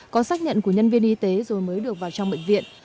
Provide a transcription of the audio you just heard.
có xác nhận của nhân viên y tế rồi mới được vào trong bệnh viện